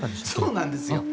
そうなんです。